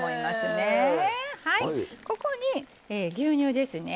はいここに牛乳ですね。